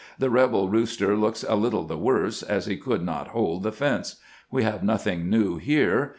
The rebel rooster looks a little the worse, as he could not hold the fence. We have nothing new here.